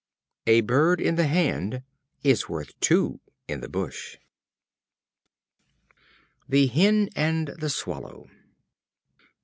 A bird in the hand is worth two in the bush. The Hen and the Swallow.